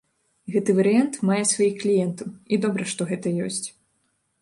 Гэты варыянт мае сваіх кліентаў, і добра, што гэта ёсць.